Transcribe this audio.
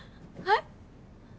はい？